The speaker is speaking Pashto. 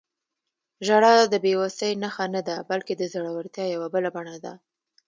• ژړا د بې وسۍ نښه نه ده، بلکې د زړورتیا یوه بله بڼه ده.